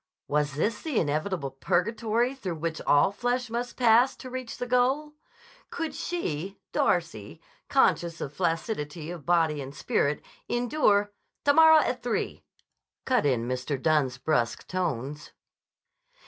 Was this the inevitable purgatory through which all flesh must pass to reach the goal? Could she, Darcy, conscious of flaccidity of body and spirit, endure— "Tomorra at three," cut in Mr. Dunne's brusque tones.